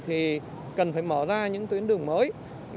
thì cần phải mở ra những tuyến đường mới